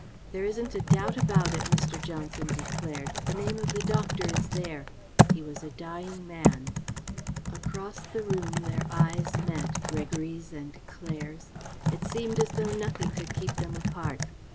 "There isn't a doubt about it," Mr. Johnson declared. "The name of the doctor is there. He was a dying man." Across the room their eyes met Gregory's and Claire's. It seemed as though nothing could keep them apart.